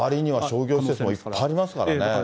周りには商業施設もいっぱいありますからね。